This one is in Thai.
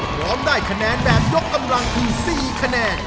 พร้อมได้คะแนนแบบยกกำลังคือ๔คะแนน